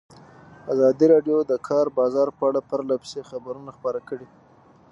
ازادي راډیو د د کار بازار په اړه پرله پسې خبرونه خپاره کړي.